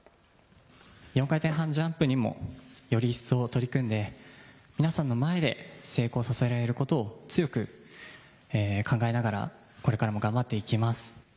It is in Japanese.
４回転半ジャンプにもより一層、取り組んで皆さんの前で成功させられることを強く考えながらこれからも頑張っていきます。